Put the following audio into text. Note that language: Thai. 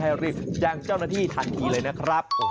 รีบแจ้งเจ้าหน้าที่ทันทีเลยนะครับ